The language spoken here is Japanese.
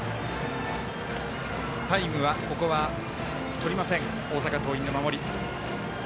タイムは取りません大阪桐蔭の守り。